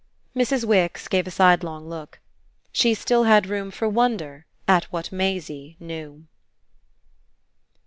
Mrs. Wix gave a sidelong look. She still had room for wonder at what Maisie knew.